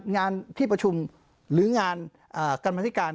งานที่ประชุมหรืองานกรรมธิการ